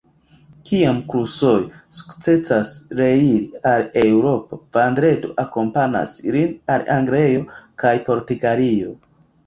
Kiam Crusoe sukcesas reiri al Eŭropo, Vendredo akompanas lin al Anglio kaj Portugalio.